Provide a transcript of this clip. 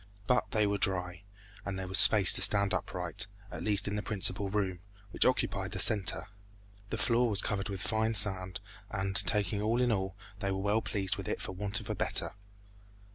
But they were dry, and there was space to stand upright, at least in the principal room, which occupied the center. The floor was covered with fine sand, and taking all in all they were well pleased with it for want of a better.